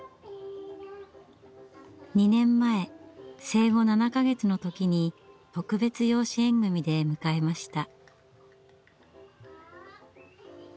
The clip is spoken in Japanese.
２年前生後７か月の時に特別養子縁組で迎えました。